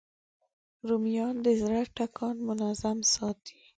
رومیان د زړه ټکان منظم ساتي